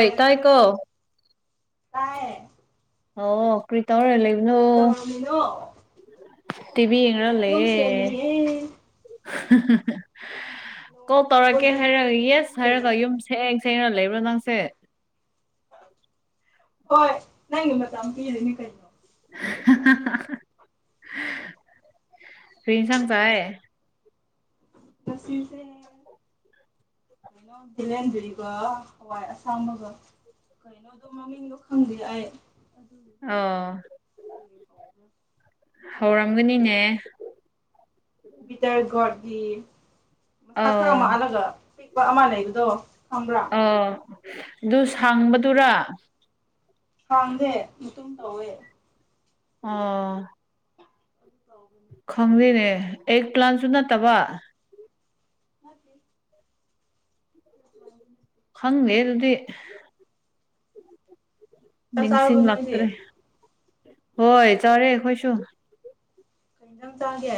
ꯑꯩ ꯇꯥꯏꯀꯣ ꯇꯥꯏꯌꯦ ꯑꯣ ꯀ꯭ꯔꯤ ꯇꯧꯔ ꯂꯩꯕꯅꯣ ꯀꯩꯗꯧꯔꯝꯃꯤꯅꯣ ꯇꯤꯚꯤ ꯌꯦꯡ ꯗ ꯌꯨꯝ ꯂꯩꯌꯦ ꯁꯦꯡꯉꯤꯌꯦ ꯅꯣꯡ ꯀꯣꯜ ꯇꯧꯔꯛꯀꯦ ꯆꯨꯕꯒꯤ ꯍꯥꯏꯔꯒ ꯌꯦꯁ ꯌꯨꯝꯒ ꯍꯥꯏꯔꯒ ꯌꯦꯡꯕ ꯌꯨꯝ ꯌꯥꯗꯦ ꯁꯦꯡꯡ ꯁꯦꯡꯅ ꯂꯩꯕ꯭ꯔꯣ ꯅꯪꯁꯦ ꯍꯣꯏ ꯅꯪꯉ ꯃꯇꯝ ꯑꯃꯨꯛ ꯄꯤꯗꯣꯏꯅꯤ ꯀꯩꯅ ꯀꯔꯤ ꯏꯟꯁꯥꯡ ꯆꯥꯏꯌꯦ ꯁꯤꯁꯦ ꯀꯩꯅꯣ ꯈꯤꯜꯍꯦꯟꯗꯔꯤꯒ ꯍꯋꯥꯏ ꯑꯁꯥꯡꯕꯒ ꯀꯩꯅꯣꯗꯣ ꯃꯃꯤꯡꯗꯣ ꯈꯪꯗꯔ ꯑꯩ ꯑꯗꯨ ꯑꯣ ꯀꯔꯤ ꯀꯧꯕ꯭ꯔꯥ ꯍꯧꯔꯝꯒꯅꯤꯅꯦ ꯕꯤꯇꯔ ꯒꯔꯒꯤ ꯃꯁꯥ ꯈꯔ ꯑꯃ ꯑꯧ ꯑꯂꯒ ꯂ ꯑꯃ ꯂꯩꯕꯗꯣ ꯈꯪꯕ꯭ꯔꯥ ꯑ ꯑꯗꯨ ꯁꯥꯡꯕꯗꯨꯔꯥ ꯍꯥꯡꯗꯦ ꯃꯇꯨꯡꯨꯝ ꯇꯧꯋꯦ ꯑꯣ ꯑꯗꯨ ꯇꯧꯕꯅꯦ ꯈꯪꯗꯦꯅꯦ ꯑꯦꯛ ꯄ꯭ꯂꯥꯟꯁꯨ ꯅꯠꯇꯕ ꯃꯥꯗꯤ ꯍ ꯈꯪꯗꯦ ꯑꯗꯨꯗꯤ ꯆꯥꯛ ꯆꯥꯔꯕꯣ ꯅꯣꯏꯗꯤ ꯅꯤꯡꯁꯤꯡꯂꯛꯇ꯭ꯔꯦ ꯍꯣꯏ ꯆꯥꯎꯔꯦ ꯑꯩꯈꯣꯏꯁꯨ ꯀꯩ ꯑꯦꯟꯁꯥꯡ ꯆꯥꯒꯦ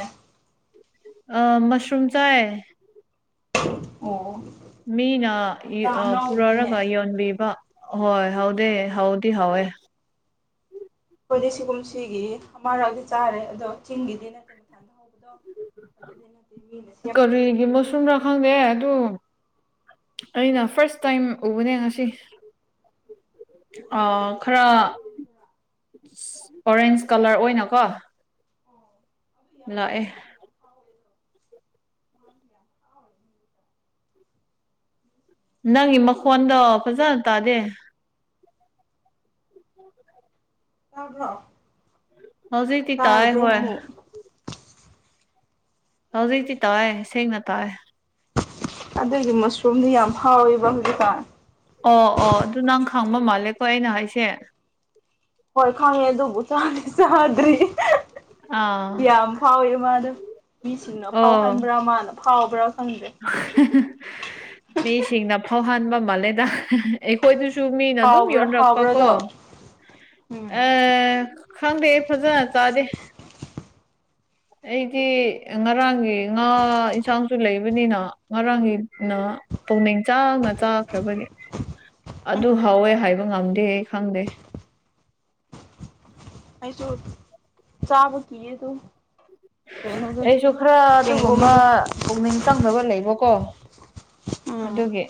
ꯑ ꯃꯁꯔꯨꯝ ꯆꯥꯏ ꯑꯣ ꯃꯤꯅ ꯏꯟꯖꯥꯡ ꯏꯑꯥ ꯑꯅꯥꯎꯕꯅꯤꯅꯦ ꯄꯨꯔꯔꯒ ꯌꯣꯟꯕꯤꯕ ꯍꯣꯏ ꯍꯧꯗꯦ ꯍꯧꯗꯤ ꯍꯧꯋꯦ ꯑꯈꯣꯏꯗꯤ ꯁꯤꯒꯨꯝ ꯁꯤꯒꯤ ꯑꯃꯔꯛꯗꯤ ꯆꯥꯔꯦ ꯑꯗꯣ ꯆꯤꯡꯒꯤꯗꯤ ꯅꯠꯇꯦ ꯃꯊꯟꯗ ꯍꯧꯕꯗꯣ ꯑꯗꯨꯗꯤ ꯅꯠꯇꯦ ꯃꯤꯅꯥ ꯁꯦꯝꯕꯗꯣ ꯀꯔꯤꯒꯤ ꯃꯩꯁꯔꯨꯝꯔꯥ ꯈꯪꯉꯦ ꯑꯗꯨ ꯑꯩꯅ ꯐꯥꯔꯁ ꯇꯥꯏꯝ ꯎꯕꯅꯦ ꯉꯁꯤ ꯑꯥ ꯑꯉꯥꯡꯕꯗꯨꯔꯥ ꯈꯔ ꯑꯉꯥꯡꯕꯗꯨꯔꯥ ꯑꯣꯔꯦꯟꯖ ꯀꯂꯔ ꯑꯣꯏꯅꯀꯣ ꯑꯣ ꯑꯗꯨ ꯌꯥꯝ ꯂꯥꯛꯑꯦ ꯍꯧꯖꯤꯛꯀꯥꯟ ꯌꯥꯝ ꯐꯥꯎꯋꯦꯗꯣ ꯃꯥ ꯌꯥꯝ ꯐꯤꯎꯋꯦ ꯅꯪꯒꯤ ꯃꯈꯣꯟꯗꯣ ꯐꯖꯅ ꯇꯥꯗꯦ ꯇꯥꯕ꯭ꯔꯣ ꯍꯧꯖꯤꯛꯇꯤ ꯇꯥꯏ ꯇꯥꯔꯕ꯭ꯔꯣ ꯍꯣꯏ ꯑꯃꯨꯛ ꯍꯧꯖꯤꯛꯇꯤ ꯇꯥꯏꯌꯦ ꯁꯦꯡꯅ ꯇꯥꯏꯌꯦ ꯑꯗꯨꯏꯗꯤ ꯃꯨꯁꯔꯨꯝꯗꯤ ꯌꯥꯝ ꯍꯥꯎꯋꯦꯕ ꯍꯧꯖꯤꯛꯀꯥꯟ ꯑꯣ ꯑꯣ ꯑꯗꯨ ꯅꯪ ꯈꯥꯡꯕ ꯃꯥꯜꯂꯦꯀꯣ ꯑꯩꯅ ꯍꯥꯏꯁꯦ ꯍꯣꯏ ꯈꯪꯉꯦ ꯑꯗꯨꯕꯨ ꯆꯥꯗꯤ ꯆꯥꯗ꯭ꯔꯤ ꯑꯥ ꯌꯥꯝ ꯐꯥꯎꯋꯦ ꯃꯥꯗꯣ ꯃꯤꯁꯤꯡꯅ ꯑꯣ ꯐꯥꯎꯍꯟꯕ꯭ꯔꯥ ꯃꯥꯅ ꯐꯥꯎꯕ꯭ꯔꯥ ꯈꯪꯗꯦ [unintelligible] ꯃꯤꯁꯤꯡꯅ ꯐꯥꯎꯍꯟꯕ ꯃꯥꯜꯂꯦꯗ ꯑꯩꯈꯣꯏꯗꯨꯁꯨ ꯃꯤꯅ ꯑꯗꯨꯝ ꯍꯥꯎꯕ꯭ꯔꯥ ꯌꯣꯟꯔꯛꯄ ꯀꯣ ꯍꯥꯎꯕ꯭ꯔꯥꯗꯣ ꯎꯝ ꯑꯥ ꯈꯪꯗꯦ ꯐꯖꯅ ꯆꯥꯗꯦ ꯑꯩꯗꯤ ꯉꯔꯥꯡꯒꯤ ꯉꯥ ꯏꯟꯁꯥꯡꯁꯨ ꯂꯩꯕꯅꯤꯅ ꯉꯔꯥꯡꯒꯤꯅ ꯄꯨꯛꯅꯤꯡ ꯆꯥꯡꯅ ꯆꯥꯈ꯭ꯔꯕꯒꯤ ꯑꯗꯨ ꯍꯥꯎꯋꯦ ꯍꯥꯏꯕ ꯉꯝꯗꯦ ꯈꯪꯗꯦ ꯑꯩꯁꯨ ꯆꯥꯕ ꯀꯤꯌꯦ ꯗꯨꯝ ꯑꯩꯁꯨ ꯈꯔ ꯑꯗꯨꯒꯨꯝꯕ ꯆꯦꯡꯒꯨꯝꯗꯣ ꯄꯨꯛꯅꯤꯡ ꯆꯪꯅꯕ ꯂꯩꯕꯀꯣ ꯎꯝ ꯑꯗꯨꯒꯤ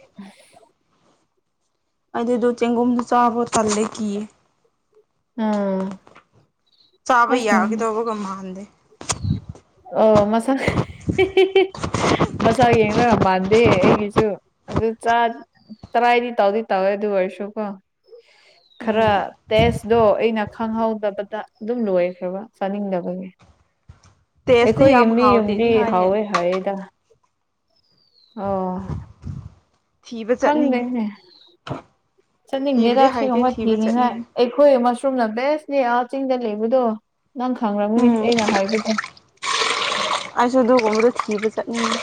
ꯑꯩꯗꯤ ꯑꯗꯨ ꯆꯦꯡꯒꯨꯝꯗꯣ ꯆꯥꯕꯣ ꯇꯜꯂꯦ ꯀꯤꯌꯦ ꯎꯝ ꯆꯥꯕ ꯑꯁ ꯌꯥꯒꯤꯗꯧꯕꯒ ꯃꯥꯟꯗꯦ ꯑꯣ ꯃꯁꯥ [unintelligible] ꯃꯁꯥ ꯌꯦꯡꯔꯒ ꯃꯥꯟ ꯗꯦ ꯑꯩꯒꯤꯁꯨ ꯑꯗꯨ ꯆꯥ ꯇ꯭ꯔꯥꯏꯗꯤ ꯇꯧꯗꯤ ꯇꯧꯋꯦ ꯑꯗꯨ ꯑꯣꯏꯔꯁꯨ ꯀꯣ [unintelligible] ꯈꯔ ꯎꯝ ꯇꯦꯁꯗꯣ ꯑꯩꯅ ꯈꯪꯍꯧꯗꯕꯗ ꯑꯗꯨꯝ ꯂꯣꯏꯈ꯭ꯔꯕ ꯆꯥꯅꯤꯡꯗꯕꯒꯤ ꯇꯦꯁꯇꯤ ꯑꯩꯈꯣꯏꯒꯤ ꯌꯥꯝ ꯃꯤ ꯌꯨꯝꯗꯤ ꯍꯥꯎꯇꯦꯗꯤ ꯍꯥꯏꯌꯦ ꯍꯥꯎꯋꯦ ꯍꯥꯏꯌꯦꯗ ꯑꯣ ꯊꯤꯕ ꯆꯠꯅꯤꯡꯉꯦ ꯈꯪꯗꯦꯅꯦ ꯆꯠꯅꯤꯡꯗꯦꯗ ꯊꯤꯕꯗꯤ ꯍꯩꯇꯦ ꯁꯤꯒꯨꯝꯕ ꯊꯤꯕ ꯊꯦꯡꯅꯤꯡꯉꯥꯏ ꯆꯠꯅꯤꯡꯉꯦ ꯑꯩ ꯈꯣꯏ ꯃꯁꯔꯨꯝꯅ ꯕꯦꯁꯅꯦ ꯑꯥ ꯆꯤꯡꯗ ꯂꯩꯕꯗꯣ ꯅꯪ ꯈꯪꯔꯝꯒꯅꯤ ꯎꯝ ꯑꯩꯅ ꯍꯥꯏꯕꯗꯣ ꯑꯩꯁꯨ ꯑꯗꯨꯒꯨꯝꯕꯗꯣ ꯊꯤꯕ ꯆꯠꯅꯤꯡꯉꯤ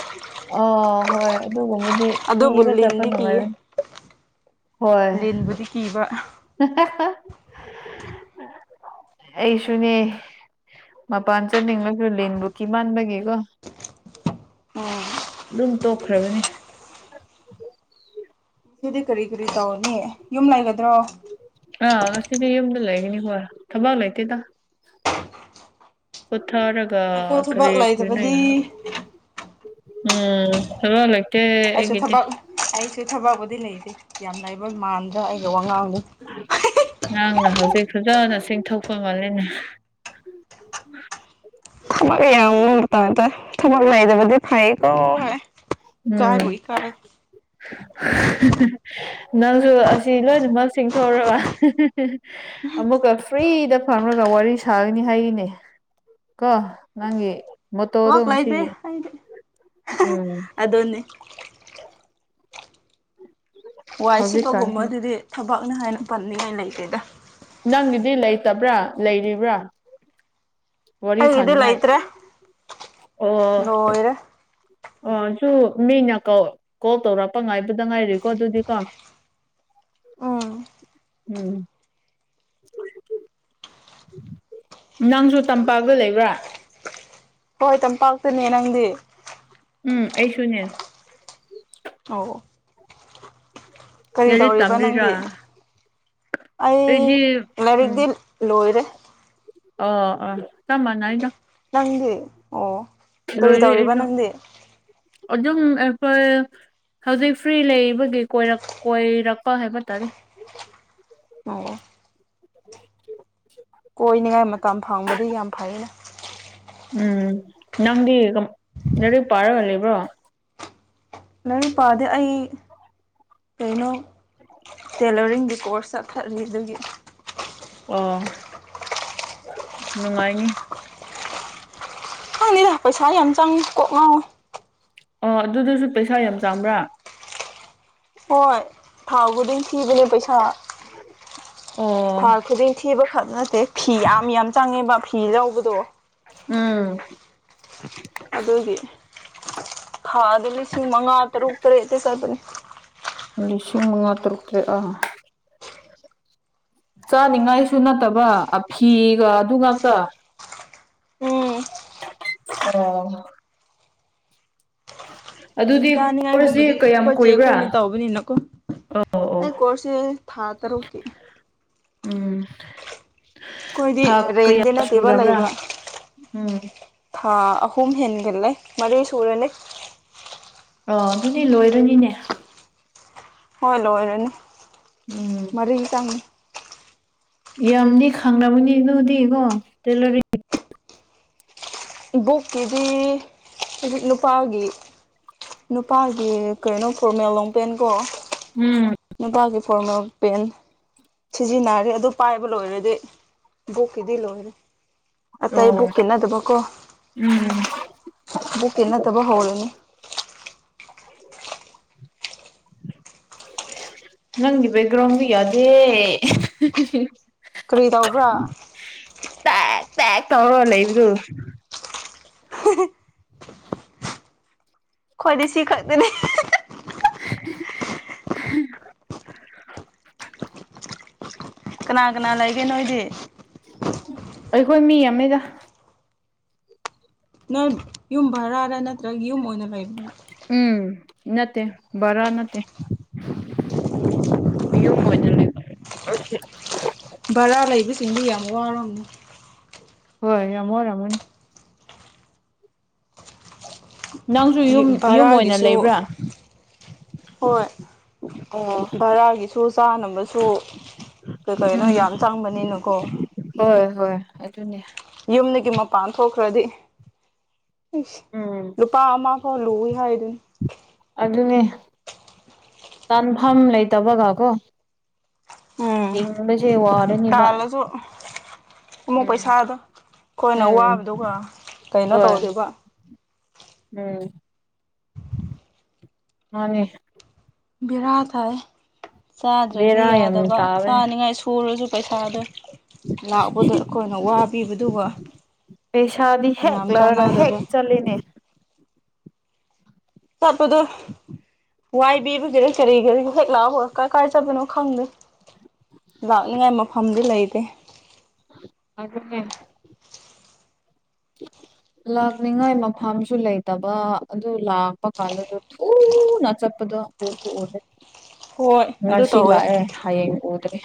ꯑꯣ ꯍꯣꯏ ꯑꯗꯨꯒꯨꯝꯕꯗꯤ ꯑꯗꯨꯕꯨ ꯊꯤꯕ ꯆꯠꯄ ꯂꯤꯟꯗꯤ ꯀꯤꯌꯦ ꯅꯨꯡꯉꯥꯏꯕꯅꯤ ꯍꯣꯏ ꯕꯨꯗꯤ ꯀꯤꯕ [unintelligible] ꯑꯩꯁꯨꯅꯦ ꯃꯄꯥꯟ ꯆꯠꯅꯤꯡꯂꯁꯨ ꯂꯤꯟꯕꯨ ꯀꯤꯃꯟꯕꯒꯤꯀꯣ ꯎꯝ ꯑꯗꯨꯝ ꯇꯣꯛꯈ꯭ꯔꯥꯕꯅꯤ ꯗꯨꯗꯤ ꯀꯔꯤ ꯀꯔꯤ ꯇꯧꯅꯤ ꯌꯨꯝ ꯂꯩꯒꯗ꯭ꯔꯣ ꯑꯥ ꯉꯁꯤꯗꯤ ꯌꯨꯝꯗ ꯂꯩꯒꯅꯤ ꯈꯣꯏ ꯊꯕꯛ ꯂꯩꯇꯦꯗ ꯌꯥꯝ ꯄꯨꯊꯥꯔꯒꯥ ꯅꯨꯡꯉꯥꯏꯀꯣ ꯊꯕꯛ [unintelligible] ꯂꯩꯇꯕꯗꯤ ꯎꯝ ꯍꯜꯂꯣ ꯂꯩ ꯑꯩꯁꯨ ꯊꯕꯛ ꯑꯩꯁꯨ ꯊꯕꯛꯕꯨꯗꯤ ꯂꯩꯇꯦ ꯌꯥꯝ ꯂꯥꯏꯕ ꯃꯥꯟꯗ꯭ꯔ ꯑꯩꯒ ꯋꯥꯉꯥꯡꯗꯣ ꯅꯪꯅ ꯍꯧꯖꯤꯛ ꯐꯖꯅ ꯆꯤꯡꯊꯣꯛꯐꯝ ꯃꯥꯜꯂꯦꯅꯦ [unintelligible] ꯐꯩꯀꯣ ꯍꯥꯏ ꯎꯝ ꯏꯀꯥꯏꯕꯨ ꯏꯀꯥꯏ [unintelligible] ꯅꯪꯁꯨ ꯑꯁꯤ ꯂꯣꯏꯅꯃꯛ ꯆꯤꯡꯊꯣꯛꯔꯕ ꯑꯃꯨꯛꯀ ꯐ꯭ꯔꯤꯗ ꯐꯝꯔꯒ ꯋꯥꯔꯤ ꯁꯥꯒꯅꯤ ꯍꯥꯏꯌꯤꯅꯦ ꯀꯣ ꯅꯪꯒꯤ ꯃꯣꯠꯇꯣꯗꯣ ꯊꯕꯛ ꯂꯩꯇꯦ ꯉꯁꯤꯒꯤ ꯎꯝ ꯗꯨꯅꯤ ꯋꯥꯏ ꯍꯧꯖꯤꯛꯀꯥꯟꯁꯦ ꯁꯤꯠꯄꯒꯨꯝꯕꯗꯨꯗꯤ ꯊꯕꯛꯅꯤ ꯍꯥꯏꯅ ꯄꯟꯅꯤꯡꯉꯥꯏ ꯂꯩꯇꯦꯗ ꯅꯪꯒꯤꯗꯤ ꯂꯩꯇꯕ꯭ꯔꯥ ꯂꯩꯔꯤꯕ꯭ꯔꯥ ꯋꯥꯔꯤ ꯑꯩꯒꯤꯗꯤ ꯁꯥꯅꯤꯡꯉꯥꯏ ꯂꯩꯇ꯭ꯔꯦ ꯑꯣ ꯂꯣꯏꯔꯦ ꯑꯣ ꯁꯨ ꯃꯤꯅ ꯀꯣꯜ ꯀꯣꯜ ꯇꯧꯔꯛꯄ ꯉꯥꯏꯕꯗ ꯉꯥꯏꯔꯤꯀꯣ ꯑꯗꯨꯗꯤ ꯀꯣ ꯎꯝ ꯎꯝ ꯅꯪꯁꯨ ꯇꯝꯄꯥꯛꯒ ꯂꯩꯕ꯭ꯔꯥ ꯍꯣꯏ ꯇꯝꯄꯥꯛꯇꯅꯦ ꯅꯪꯗꯤ ꯎꯝ ꯑꯩꯁꯨꯅꯦ ꯑꯣ ꯀꯔꯤ ꯂꯥꯏꯔꯤꯛ ꯇꯧꯔꯤꯕ ꯇꯝꯔꯤꯔꯥ ꯅꯪꯗꯤ ꯑꯩ ꯑꯩꯗꯤ ꯎꯝ ꯂꯥꯏꯔꯤꯛꯗꯤꯜ ꯂꯣꯏꯔꯦ ꯑꯣ ꯑꯥ ꯆꯞ ꯃꯥꯟꯅꯩꯗ ꯅꯪꯗꯤ ꯑꯣ ꯀꯔꯤ ꯂꯣꯏꯔꯦ ꯇꯧꯔꯤꯕ ꯑꯩꯁꯨ ꯅꯪꯗꯤ ꯑꯗꯨꯝ ꯑꯩꯈꯣꯏ ꯍꯧꯖꯤꯛ ꯐ꯭ꯔꯤ ꯂꯩꯕꯒꯤ ꯀꯣꯏꯔꯛ ꯀꯣꯏꯔꯛꯄ ꯍꯥꯏꯕ ꯇꯥꯔꯦ [unintelligible] ꯀꯣꯏꯅꯤꯡꯉꯥꯏ ꯃꯇꯝ ꯐꯪꯕꯗꯤ ꯌꯥꯝ ꯐꯩꯅ ꯎꯝ ꯅꯪꯗꯤ ꯀꯃꯥꯏ ꯂꯥꯏꯔꯤꯛ ꯄꯥꯔꯒ ꯂꯩꯕ꯭ꯔꯣ ꯂꯥꯏꯔꯤꯛ ꯄꯥꯗꯦ ꯑꯩ ꯀꯩꯅꯣ ꯇꯦꯂꯔꯤꯡꯒꯤ ꯀꯣꯔꯁ ꯆꯠꯊꯔꯤ ꯑꯗꯨꯒꯤ ꯑꯣ ꯅꯨꯡꯉꯥꯏꯅꯤ ꯈꯪꯗꯦꯗ ꯄꯩꯁꯥ ꯌꯥꯝ ꯆꯪꯉꯤ ꯀꯣꯛ ꯉꯥꯎꯋꯤ ꯑꯣ ꯑꯗꯨꯗꯖꯨ ꯄꯩꯁꯥ ꯌꯥꯝ ꯆꯪꯕ꯭ꯔꯥ ꯍꯣꯏ ꯊꯥꯎ ꯈꯨꯗꯤꯡ ꯊꯤꯕꯅꯦ ꯄꯩꯁꯥ ꯑꯣ ꯊꯥꯎ ꯈꯨꯗꯡ ꯊꯤꯕꯈꯛ ꯅꯠꯇꯦ ꯐꯤ ꯌꯥꯝ ꯌꯥꯝ ꯆꯪꯉꯦꯕ ꯐꯤ ꯂꯧꯕꯗꯣ ꯎꯝ ꯑꯗꯨꯒꯤ ꯊꯥꯗ ꯂꯤꯁꯤꯡ ꯃꯉꯥ ꯇꯔꯨꯛ ꯇꯔꯦꯠꯇ ꯆꯠꯄꯅꯤ ꯂꯤꯁꯤꯡ ꯃꯉꯥ ꯇꯔꯨꯛ ꯇꯔꯦꯠ ꯑꯥ ꯆꯥꯅꯤꯉꯥꯏꯁꯨ ꯅꯠꯇꯕ ꯑꯐꯤꯒ ꯑꯗꯨ ꯉꯥꯛꯇ ꯎꯝ ꯑꯣ ꯑꯗꯨꯗꯤ ꯀꯣꯔꯁꯁꯤ ꯆꯥꯅꯤꯉꯥꯏꯒꯨꯝꯕꯗꯤ ꯀꯌꯥꯝ ꯈꯣꯏꯆꯦ ꯀꯨꯏꯕ꯭ꯔꯥ ꯈꯣꯏꯅ ꯇꯧꯕꯅꯤꯅ ꯀꯣ ꯑꯣ ꯑꯣ ꯑꯩ ꯀꯣꯔꯁꯦ ꯊꯥ ꯇꯔꯨꯛꯀꯤ ꯎꯝ ꯑꯈꯣꯏꯗꯤ ꯊꯥ ꯀꯌꯥ ꯔꯦꯟꯗ ꯅꯠꯇꯦꯕ ꯁꯨꯔꯕ꯭ꯔꯥ ꯂꯩꯕ ꯎꯝ ꯊꯥ ꯑꯍꯨꯝ ꯍꯦꯟꯒꯜꯂꯦ ꯃꯔꯤ ꯁꯨꯔꯅꯤ ꯑꯣ ꯑꯗꯨꯗꯤ ꯂꯣꯏꯔꯅꯤꯅꯦ ꯍꯣꯏ ꯂꯣꯏꯔꯅꯤ ꯎꯝ ꯃꯔꯤ ꯇꯪꯅꯤ ꯌꯥꯝꯗꯤ ꯈꯪꯔꯕꯅꯤ ꯑꯗꯨꯗꯤꯀꯣ ꯇꯦꯂꯔꯤꯡ ꯕꯨꯛꯀꯤꯗꯤ ꯍꯧꯖꯤꯛ ꯅꯨꯄꯥꯒꯤ ꯅꯨꯄꯥꯒꯤ ꯀꯩꯅꯣ ꯐꯣꯔꯃꯦꯜ ꯂꯣꯡꯄꯦꯟꯀꯣ ꯎꯝ ꯅꯨꯄꯥꯒꯤ ꯐꯣꯔꯃꯦꯜ ꯄꯦꯟ ꯁꯤꯖꯤꯟꯅꯔꯦ ꯑꯗꯨ ꯄꯥꯏꯕ ꯂꯣꯏꯔꯗꯤ ꯕꯣꯛꯀꯤꯗꯤ ꯂꯣꯏꯔꯦ ꯑꯇꯩ ꯑꯣ ꯕꯨꯛꯀꯤ ꯅꯠꯇꯕꯀꯣ ꯎꯝ ꯕꯨꯀꯦ ꯅꯠꯇꯕ ꯍꯧꯔꯅꯤ ꯅꯪꯒꯤ ꯕꯒ꯭ꯔꯣꯝꯌꯗꯦ ꯀꯔꯤ ꯇꯧꯕ꯭ꯔꯥ ꯇꯥꯏ ꯇꯥꯏ ꯇꯧꯔꯣ ꯂꯩꯕꯗꯨ ꯍ ꯈ꯭ꯣꯏꯗꯤ ꯁꯤ ꯈꯛꯇꯅꯦ [inaudible] ꯀꯅꯥ ꯀꯅꯥ ꯂꯩꯒꯦ ꯅꯣꯏꯗꯤ ꯑꯩꯈꯣꯏ ꯃꯤ ꯑꯃꯒ ꯅ ꯌꯨꯝ ꯔꯛꯔ ꯅꯠꯇ꯭ꯔꯒ ꯌꯨꯝ ꯑꯣꯏꯅ ꯂꯩꯕꯅ ꯎꯝ ꯅꯠꯇꯦ ꯔ ꯅꯠꯇꯦ ꯄ ꯃꯖꯟ ꯕꯔꯥ ꯂꯩꯕꯁꯤꯡꯗꯤ ꯌꯥꯝ ꯋꯥꯔꯝꯃꯤ ꯍꯣꯏ ꯌꯥꯝꯃꯣꯔꯃꯣꯅꯤ ꯅꯪꯁꯨ ꯌꯨꯝ ꯌꯨꯝ ꯑꯣꯏꯅ ꯚꯔꯥꯒꯤꯁꯨ ꯂꯩꯕ꯭ꯔꯥ ꯍꯣꯏ ꯑꯣ ꯚꯔꯥꯒꯤꯁꯨ ꯆꯥꯅꯕꯁꯨꯩ ꯀꯩꯅꯣ ꯎꯝ ꯌꯥꯝ ꯆꯥꯡꯕꯅꯤꯅꯀꯣ ꯍꯣꯏ ꯍꯣꯏ ꯑꯗꯨꯅ ꯌꯨꯝꯗꯒꯤ ꯃꯄꯥꯟ ꯊꯣꯛꯈ꯭ꯔꯗꯤ ꯁ ꯎꯝ ꯂꯨꯄꯥ ꯑꯃ ꯐꯥꯎ ꯂꯨꯏ ꯍꯥꯏꯗꯨꯣꯏꯅꯤ ꯑꯗꯨꯅꯦ ꯇꯥꯟꯐꯝ ꯂꯩꯇꯕꯒ ꯀꯣ ꯍꯁꯦ ꯋꯥ ꯇꯥꯂꯁꯨ ꯑꯃꯨꯛ ꯎꯝ ꯄꯩꯁꯥꯗꯣ ꯑꯩꯈꯣꯏꯅ ꯎꯝ ꯋꯥꯕꯗꯨꯒ ꯀꯩꯅꯣ ꯍꯣꯏ ꯇꯧꯗꯦꯕ ꯎꯝ ꯃꯥꯅꯦ ꯕꯤꯔꯥ ꯊꯥꯏ ꯆꯥꯗ꯭ꯔꯗꯤ ꯕꯦꯔꯥ ꯌꯥꯝ ꯌꯥꯗꯕ ꯇꯥꯕꯅꯦ ꯆꯥꯅꯤꯉꯥꯏ ꯁꯨꯔꯁꯨ ꯄꯩꯁꯥꯗ ꯂꯥꯛꯄꯗ ꯑꯩꯈꯣꯏꯅ ꯋꯥꯕꯤꯕꯗꯨꯒ ꯄꯩꯁꯥꯗꯤ ꯍꯦꯛ ꯌꯥꯝ ꯂꯧꯔꯒ ꯍꯦꯛ ꯆꯥꯟꯅꯗꯕ ꯆꯠꯂꯤꯅꯦ ꯇꯞꯄꯗꯨ ꯋꯥꯏꯕꯤꯕꯒꯦꯔ ꯀꯔꯤꯒꯔꯤ ꯍꯦꯛ ꯂꯥꯛꯑꯕ ꯀꯥꯏ ꯀꯥꯏ ꯆꯠꯄꯅꯣ ꯈꯪꯗꯦ ꯂꯥꯛꯅꯤꯡꯉꯥꯏ ꯃꯐꯝꯗꯤ ꯂꯩꯇꯦ ꯑꯗꯨꯦ ꯎ ꯂꯥꯛꯅꯤꯡꯉꯥꯏ ꯃꯐꯝꯐꯝꯁꯨ ꯂꯩꯇꯕ ꯑꯗꯨ ꯂꯥꯛꯄ ꯀꯥꯟꯗꯗ ꯊꯨꯅ ꯆꯠꯄꯗꯣ ꯍꯣꯏ ꯑꯗꯨ ꯉꯁꯤ ꯇꯧꯋꯦ ꯂꯥꯛꯑꯦ ꯍꯌꯦꯡ ꯎꯗ꯭ꯔꯦ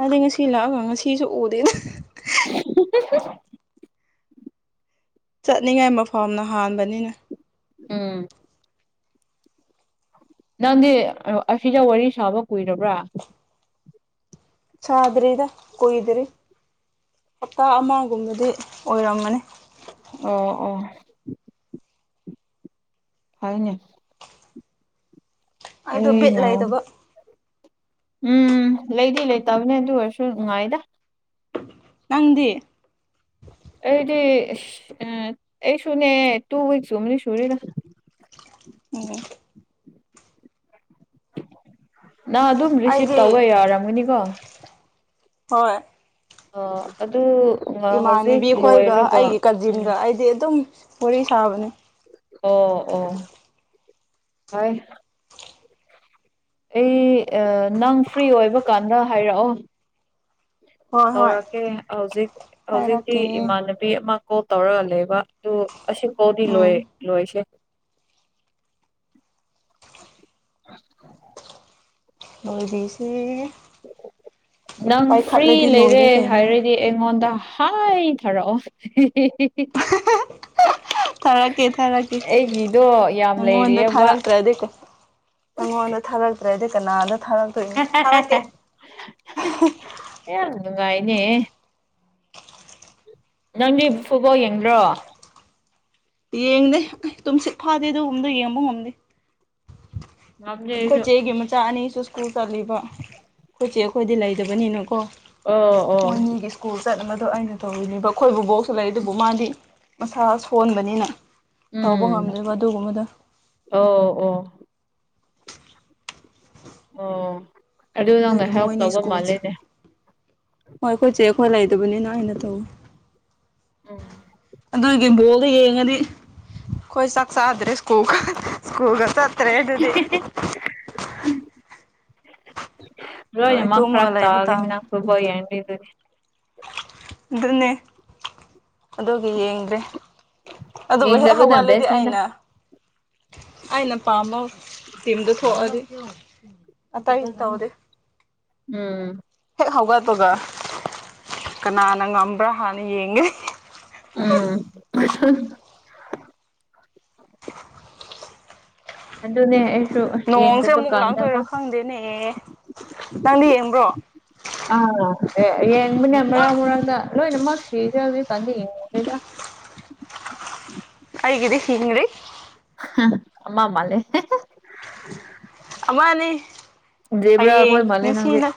ꯑꯗꯗꯤ ꯉꯁꯤ ꯂꯥꯛꯑꯒ ꯉꯁꯤꯁꯨ ꯎꯗꯦꯅ [inaudible] ꯆꯠꯅꯤꯡꯉꯥꯏ ꯃꯐꯝꯅ ꯍꯥꯟꯕꯅꯤꯅ ꯎꯝ ꯅꯪꯗꯤ ꯑꯁꯤꯖ ꯋꯥꯔꯤ ꯁꯥꯕ ꯀꯨꯏꯔꯕ꯭ꯔꯥ ꯁꯥꯗ꯭ꯔꯤꯗ ꯀꯣꯏꯗ꯭ꯔꯤ ꯍꯞꯇꯥ ꯑꯃꯒꯨꯝꯕꯗꯤ ꯑꯣꯏꯔꯝꯒꯅꯤ ꯑꯣ ꯑꯣ ꯍꯥꯏꯅꯦ ꯑꯩꯗꯣ ꯕꯤꯠ ꯑꯩꯅ ꯂꯩꯗꯕ ꯎꯝ ꯂꯩꯗꯤ ꯂꯩꯇꯕꯅꯦ ꯑꯗꯨ ꯑꯣꯏꯔꯁꯨ ꯅꯨꯡꯉꯥꯏꯗ ꯅꯪꯗꯤ ꯑꯩꯗꯤ ꯑꯩ ꯁꯨꯅꯦ ꯇꯨ ꯋꯤꯛꯁꯀꯨꯝꯕꯅꯤ ꯁꯨꯔꯤꯗ ꯎꯝ ꯅꯪ ꯑꯗꯨꯝ ꯔꯤꯁꯤꯚ ꯑꯩꯗꯤ ꯇꯧꯕ ꯌꯥꯔꯝꯒꯅꯤꯀꯣ ꯍꯣꯏ ꯑ ꯑꯗꯨ ꯍꯧꯖꯤꯛ ꯏꯃꯥꯟꯅꯕꯤ ꯑꯩꯈꯣꯏꯒ ꯂꯣꯏꯔꯒ ꯑꯩꯒꯤ ꯎꯝ ꯀꯥꯖꯤꯟꯒ ꯑꯩꯗꯤ ꯑꯗꯨꯝ ꯋꯥꯔꯤ ꯁꯥꯕꯅꯦ ꯑꯣ ꯑꯣ [unintelligible] ꯑꯩ ꯑꯥ ꯅꯪ ꯐ꯭ꯔꯤ ꯑꯣꯏꯕꯀꯥꯟꯗ ꯍꯥꯏꯔꯛꯑꯣ ꯍꯣꯏ ꯍꯣꯏ ꯇꯧꯔꯥꯛꯀꯦ ꯍꯧꯖꯤꯛ ꯍꯧꯖꯤꯛꯀꯤ ꯍꯥꯏꯔꯛꯀꯦ ꯏꯃꯥꯟꯅ ꯄꯤ ꯑꯃ ꯀꯣꯜ ꯇꯧꯔꯒ ꯂꯩꯕ ꯑꯗꯨ ꯑꯁꯤ ꯀꯣꯗꯤ ꯂꯣꯏ ꯎꯝ ꯂꯣꯏꯁꯦ ꯅꯣꯏꯕꯤꯁꯦ ꯅꯪ ꯐ꯭ꯔꯤ ꯂꯩꯔꯦ ꯂꯣꯏꯔꯦ ꯀꯩꯅꯣ ꯍꯥꯏꯔ ꯗꯤ ꯑꯩꯉꯣꯟꯗ ꯍꯥꯏꯊꯔꯛꯑꯣ [unintelligible] ꯊꯥꯔꯛꯀꯦ ꯊꯥꯔꯛꯀꯦ ꯑꯩꯒꯤꯗꯣ ꯌꯥꯝ ꯅꯪꯉꯣꯟꯗ ꯂꯩꯔꯤꯑꯕ ꯊꯥꯔꯛꯇ꯭ꯔꯗꯤꯀꯣ ꯅꯪꯉꯣꯟꯗ ꯊꯥꯒꯇ꯭ꯔꯦꯗꯤ ꯀꯅꯥꯗ ꯊꯥ [unintelligible] ꯌꯥꯝ ꯅꯨꯡꯉꯥꯏꯅꯦ ꯅꯪꯗꯤ ꯐꯨꯠꯕꯣꯜ ꯌꯦꯡꯗ꯭ꯔꯣ ꯌꯦꯡꯗꯦ ꯇꯨꯝꯁꯤꯠ ꯐꯥꯗꯦ ꯑꯗꯨꯒꯨꯝꯕꯗ ꯌꯦꯡꯕ ꯉꯝꯗꯦ ꯉꯝꯗꯦ ꯑꯩꯁꯨ ꯑꯩꯈꯣꯏꯆꯦꯒꯤ ꯃꯆꯥ ꯑꯅꯤꯁꯨ ꯁ꯭ꯀꯨꯜ ꯆꯠꯂꯤꯕ ꯑꯩꯈꯣꯏꯆꯦ ꯑꯩꯈꯣꯏꯗꯤ ꯂꯩꯇꯕꯅꯤꯅꯀꯣ ꯑꯣ ꯑꯣ ꯃꯣꯏꯅꯤꯒꯦꯁ ꯁ꯭ꯀꯨꯜ ꯆꯠꯅꯕꯗꯣ ꯑꯩꯅ ꯇꯧꯔꯤꯅꯦꯕ ꯑꯩꯈꯣꯏꯕꯨ ꯕꯣꯛꯁꯨ ꯂꯩ ꯑꯗꯨꯕꯨ ꯃꯥꯗꯤ ꯃꯁꯥ ꯁꯣꯟꯕꯅꯤꯅ ꯇꯧꯕ ꯎꯝ ꯉꯝꯗꯦꯕ ꯑꯗꯨꯒꯨꯝꯕꯗꯣ ꯑꯣ ꯑꯣ ꯑꯣ ꯑꯗꯨ ꯅꯪꯅ ꯑꯗꯨꯒꯤ ꯍꯦꯜꯞ ꯃꯣꯏꯅꯤ ꯇꯧꯕ ꯁ꯭ꯀꯨꯜꯁꯦ ꯃꯥꯜꯂꯦꯅꯦ ꯍꯣꯏ ꯑꯩꯈꯣꯏꯁꯦ ꯑꯩꯈꯣꯏ ꯂꯩꯗꯕꯅꯤꯅ ꯑꯩꯅ ꯇꯧ ꯎꯝ ꯑꯗꯨ ꯏꯝꯕꯣꯜꯗ ꯌꯦꯡꯉꯗꯤ ꯑꯩꯈꯣꯏ ꯆꯥꯛ ꯆꯥꯗ꯭ꯔꯦ ꯁꯀꯨꯒꯥ ꯆꯠꯇ꯭ꯔꯦ ꯑꯗꯨꯗꯤ [inaudible] ꯂꯣꯏ ꯂꯣꯏꯟꯃꯛ ꯇꯨꯝꯃꯒ ꯐꯔꯛ ꯂꯩꯕ ꯇꯥꯒꯦꯅꯤ ꯇꯥꯕꯅꯤ ꯅꯪ ꯐꯨꯠꯕꯣꯜ [unintelligible] ꯑꯗꯨꯅꯦ ꯑꯗꯨꯒꯤ ꯌꯦꯡꯗ꯭ꯔꯦ ꯑꯗꯨꯕꯨ ꯍꯦꯛ ꯌꯦꯡꯗꯕꯅ ꯍꯧꯒꯠꯂꯦꯗꯤ ꯕꯦꯁꯅꯤꯗ ꯑꯩꯅ ꯑꯩꯅ ꯄꯥꯝꯕ ꯊꯤꯝꯗꯣ ꯊꯣꯛꯑꯗꯤ ꯑꯇꯩꯗꯨ ꯇꯧꯗꯦ ꯎꯝ ꯍꯦꯛ ꯍꯧꯒꯠꯄꯒ ꯀꯅꯥꯅ ꯉꯝꯕ꯭ꯔꯥ ꯍꯥꯟꯅ ꯌꯦꯡꯉꯦ ꯎꯝ ꯑꯗꯨꯅꯦ ꯑꯩꯁꯨ ꯅꯣꯡꯁꯦ ꯌꯦꯡꯗꯕ ꯑꯃꯨꯛ ꯀꯥꯟꯅꯕ ꯂꯥꯛꯇꯣꯏꯔꯥ ꯈꯪꯗꯦꯅꯦ ꯅꯪꯗꯤ ꯌꯦꯡꯕ꯭ꯔꯣ ꯑ ꯌꯦꯡꯕꯅꯤ ꯃꯔꯛ ꯃꯔꯛꯇꯥ ꯂꯣꯏꯅ ꯃꯥ ꯁꯦꯔ [unintelligible] ꯑꯩꯒꯤꯗꯤ ꯍꯤꯡꯔꯤ [unintelligible] ꯑꯃ ꯃꯥꯂꯦ ꯑꯃꯅꯤ ꯍꯌꯦꯡ ꯑꯩꯈꯣꯏ ꯃꯥꯜꯂꯦ ꯅꯪꯗꯤ ꯅꯨꯡꯁꯤꯅ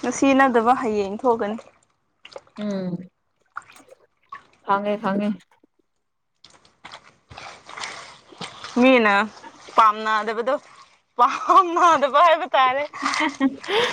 ꯉꯁꯤꯅꯗꯕ ꯍꯌꯦꯡ ꯊꯣꯛꯀꯅꯤ ꯎꯝ ꯐꯉꯦ ꯐꯪꯉꯦ ꯃꯤꯅ ꯄꯥꯝꯅꯗꯕꯗꯣ ꯄꯥꯝꯅꯗꯕ ꯍꯥꯏꯕ ꯇꯥꯔꯦ [unintelligible]